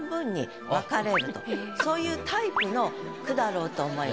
そういうタイプの句だろうと思います。